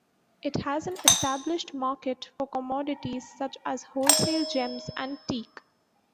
It has an established market for commodities such as wholesale gems and teak.